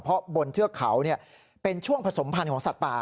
เพราะบนเทือกเขาเป็นช่วงผสมพันธ์ของสัตว์ป่า